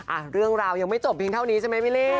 อ่ะเรื่องราวยังไม่จบเพียงเท่านี้ใช่ไหมพี่ลี่